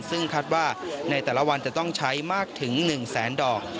มาวางดอกไม้จันทร์ซึ่งคาดว่าในแต่ละวันจะต้องใช้มากถึง๑แสนดอก